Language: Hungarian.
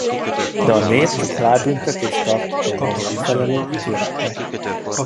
De a nép csak a halálbüntetést tartotta volna megfelelő ítéletnek.